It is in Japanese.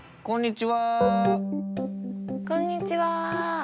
こんにちは。